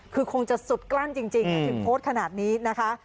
คือคงจะสุดกลั้นจริงถึงโพสต์ขนาดนี้นะคะ